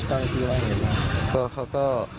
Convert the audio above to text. ก็เคยอะไรเห็น